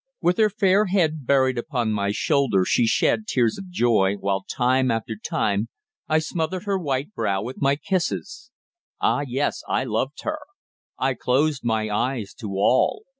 With her fair head buried upon my shoulder she shed tears of joy, while, time after time, I smothered her white brow with my kisses. Ah! yes, I loved her. I closed my eyes to all.